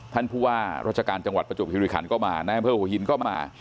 ท่านผู้ว่ารจการจังหวัดประจุภิษฐุริขันต์ก็มาแน่งเพลิงหัวหินต์ก็มา